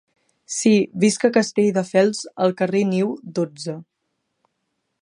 Sí, visc a Castelldefels al carrer niu, dotze.